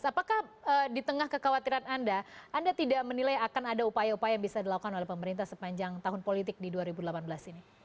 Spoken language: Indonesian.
apakah di tengah kekhawatiran anda anda tidak menilai akan ada upaya upaya yang bisa dilakukan oleh pemerintah sepanjang tahun politik di dua ribu delapan belas ini